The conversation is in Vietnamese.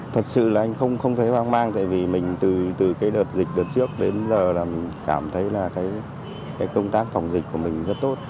thật sự là anh không thấy hoang mang tại vì mình từ cái đợt dịch đợt trước đến giờ là mình cảm thấy là cái công tác phòng dịch của mình rất tốt